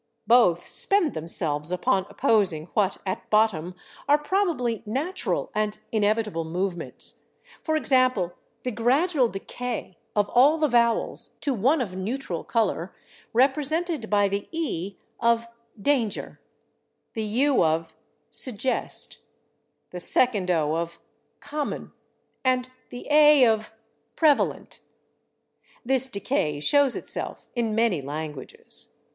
Both spend themselves upon opposing what, at bottom, are probably natural and inevitable movements for example, the gradual decay of all the vowels to one of neutral color, represented by the /e/ of /danger/, the /u/ of /suggest/, the second /o/ of /common/ and the /a/ of /prevalent/. This decay shows itself in many languages.